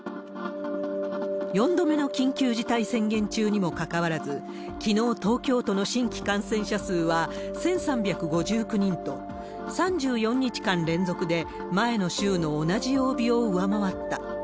４度目の緊急事態宣言中にもかかわらず、きのう、東京都の新規感染者数は１３５９人と、３４日間連続で前の週の同じ曜日を上回った。